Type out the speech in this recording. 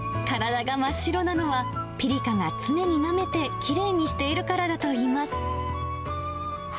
体が真っ白なのは、ピリカが常になめてきれいにしているからだといいます。